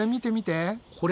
これ？